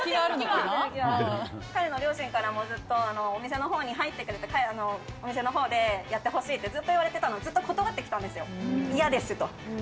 彼の両親からもずっとお店の方に入ってくれって、お店のほうでやってほしいってずっと言われてたの、ずっと断ってきたんですよ、嫌ですと。